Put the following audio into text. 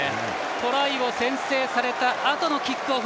トライを先制されたあとのキックオフ。